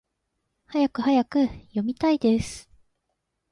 はやくはやく！読みたいです！